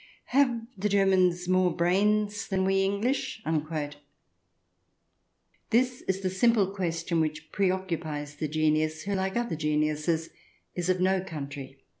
Have the Germans more brains than we English ?" This is the simple question which preoccupies the genius who, like other geniuses, is of no country.